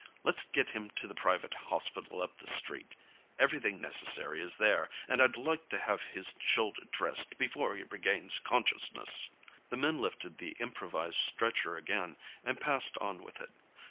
Let's get him to the private hospital up the street. Everything necessary is there, and I'd like to have his shoulder dressed before he regains consciousness." The men lifted the improvised stretcher again, and passed on with it.